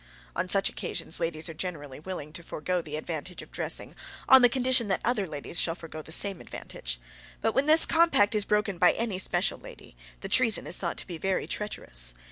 On such occasions ladies are generally willing to forego the advantage of dressing on the condition that other ladies shall forego the same advantage; but when this compact is broken by any special lady, the treason is thought to be very treacherous.